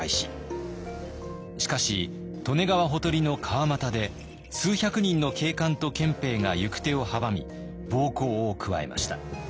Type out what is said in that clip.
しかし利根川ほとりの川俣で数百人の警官と憲兵が行く手を阻み暴行を加えました。